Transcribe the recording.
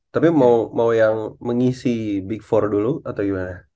tapi mau yang mengisi big empat dulu atau gimana